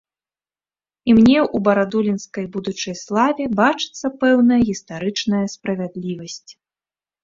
І мне ў барадулінскай будучай славе бачыцца пэўная гістарычная справядлівасць.